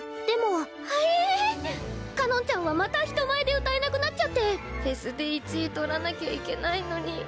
でもあれぇぇ⁉かのんちゃんはまた人前で歌えなくなっちゃってフェスで１位取らなきゃいけないのに。